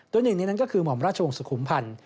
โดยหนึ่งในนั้นก็คือหม่อมราชวงศ์สุขุมพันธ์